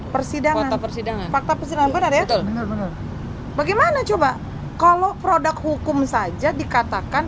persidangan persidangan fakta turned on ebbos bagaimana coba kalau produk hukum saja dikatakan